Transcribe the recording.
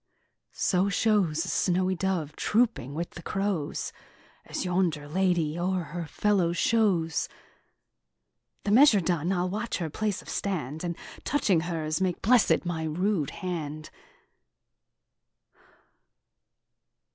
So shows a snowy dove trooping with crows As yonder lady o'er her fellows shows. The measure done, I'll watch her place of stand, And touching hers, make blessed my rude hand.